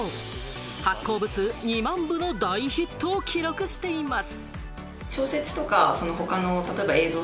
発行部数２万部の大ヒットを記録しています。